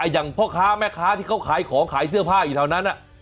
อย่างพ่อค้าแม่ค้าที่เขาขายของขายเสื้อผ้าอยู่แถวนั้น